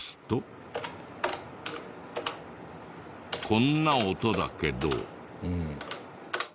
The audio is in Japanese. こんな音だけど。